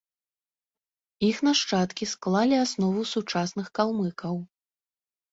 Іх нашчадкі склалі аснову сучасных калмыкаў.